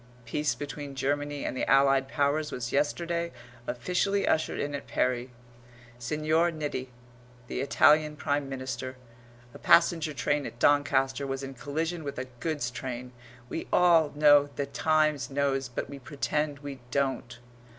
'Peace between Germany and the Allied Powers was yesterday officially ushered in at Paris Signor Nitti, the Italian Prime Minister a passenger train at Doncaster was in collision with a goods train....' We all know the Times knows but we pretend we don't."